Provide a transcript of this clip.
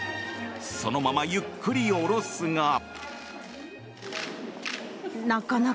そのままゆっくり下ろすが。